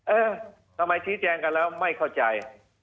เออทำไมชี้แจงกันแล้วไม่เข้าใจ